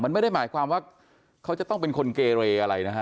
มันไม่ได้หมายความว่าเขาจะต้องเป็นคนเกเรอะไรนะฮะ